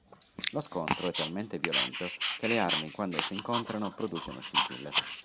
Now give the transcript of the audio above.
Lo scontro è talmente violento che le armi quando si incontrano producono scintille.